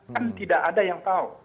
kan tidak ada yang tahu